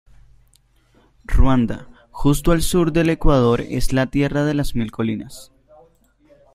Ruanda, justo al sur del ecuador, es la tierra de las mil colinas.